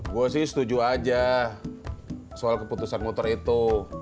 gue sih setuju aja soal keputusan muter itu